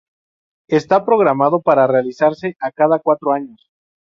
Está programado para realizarse a cada cuatro años.